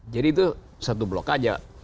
jadi itu satu blok aja